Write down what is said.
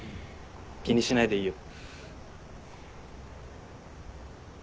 気にしないでいいよ。